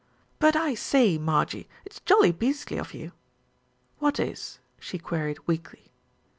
"But I say, Marjie, it's jolly beastly of you." "What is?" she queried weakly.